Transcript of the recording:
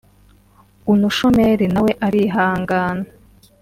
unushomeri nawe arihangana